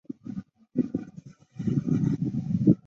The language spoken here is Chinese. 阿蒂特兰湖是危地马拉高地上的一个大内流湖。